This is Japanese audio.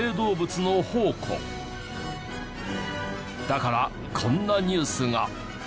だからこんなニュースが。